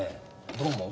どう思う？